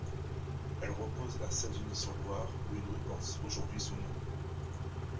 Elle repose à Saint-Denis-sur-Loire où une rue porte aujourd'hui son nom.